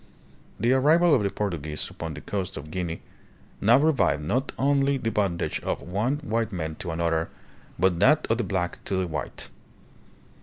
The arrival of the Portuguese upon the coast of Guinea now revived not the bondage of one white man to another, but that of the black to the white.